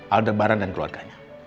aldebaran dan keluarganya